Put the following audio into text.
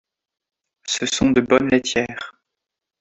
Ce sont de bonnes laitières.